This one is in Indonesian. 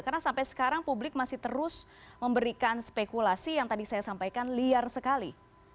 karena sampai sekarang publik masih terus memberikan spekulasi yang tadi saya sampaikan liar sekali